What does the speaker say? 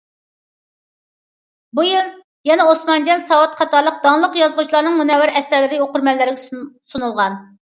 بۇ يىل يەنە ئوسمانجان ساۋۇت قاتارلىق داڭلىق يازغۇچىلارنىڭ مۇنەۋۋەر ئەسەرلىرى ئوقۇرمەنلەرگە سۇنۇلغان.